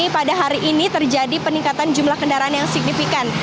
peningkatan jumlah kendaraan yang signifikan